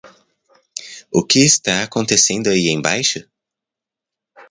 O que está acontecendo aí embaixo?